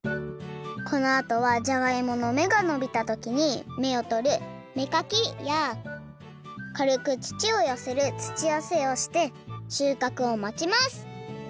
このあとはじゃがいものめがのびた時にめをとるめかきやかるく土をよせる土よせをしてしゅうかくをまちます。